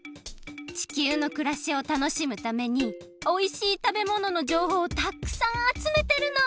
地球のくらしをたのしむためにおいしいたべもののじょうほうをたくさんあつめてるの！